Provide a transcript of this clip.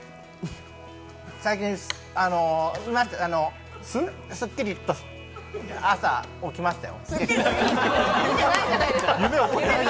最近、すっきりと朝起きましたよ。